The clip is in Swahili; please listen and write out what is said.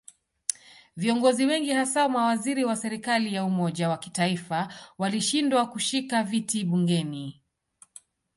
Viongozi wengi hasa mawaziri wa serikali ya umoja wa kitaifa walishindwa kushika viti bungeni.